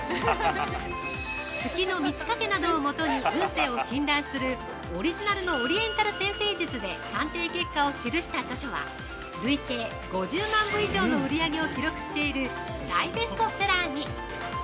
月の満ち欠けなどを基に運勢を診断するオリジナルのオリエンタル占星術で鑑定結果を記した著書は累計５０万部売り上げを記録している大ベストセラーに。